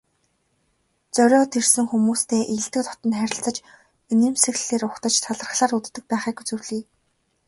Зориод ирсэн хүмүүстэй эелдэг дотно харилцаж, инээмсэглэлээр угтаж, талархлаар үддэг байхыг зөвлөе.